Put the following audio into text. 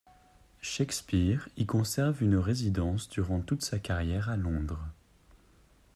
Shakespeare y conserve une résidence durant toute sa carrière à Londres.